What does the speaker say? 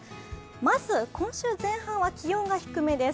まず今週前半は気温が低めです。